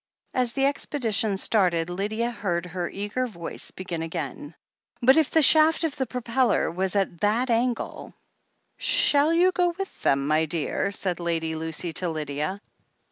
As the expedition started Lydia heard her eager voice begin again: "But if the shaft of the propeller was at that angle " "Shall you go with them, my dear?" said Lady Lucy to Lydia.